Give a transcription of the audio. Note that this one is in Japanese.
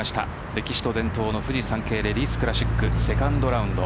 歴史と伝統のフジサンケイレディスクラシックセカンドラウンド。